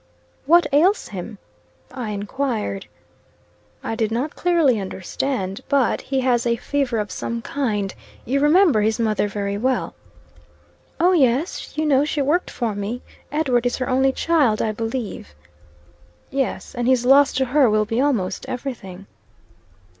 "What ails him?" I enquired. "I did not clearly understand. But he has a fever of some kind. You remember his mother very well?" "Oh, yes. You know she worked for me. Edward is her only child, I believe." "Yes; and his loss to her will be almost everything."